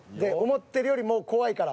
思ってるよりも怖いから。